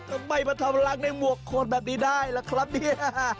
ทำไมมาทำรังในหมวกโคนแบบนี้ได้ล่ะครับเนี่ย